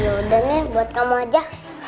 ya udah deh buat kamu aja